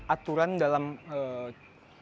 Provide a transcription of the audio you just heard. aturan dalam video